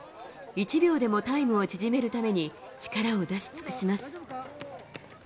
１秒でもタイムを縮めるために力を出し尽くします。